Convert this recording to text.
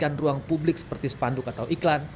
dan memperkenalkan ruang publik seperti sepanduk atau iklan